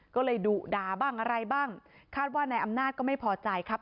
ก็เลยดุด่าบ้างอะไรบ้างคาดว่านายอำนาจก็ไม่พอใจครับ